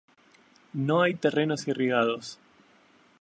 No hay terrenos irrigados.